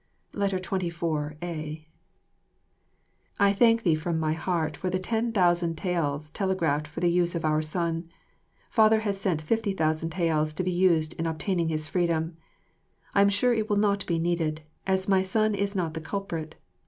24,a. I thank thee from my heart for the ten thousand taels telegraphed for the use of our son. Father has sent fifty thousand taels to be used in obtaining his freedom. I am sure it will not be needed, as my son is not the culprit.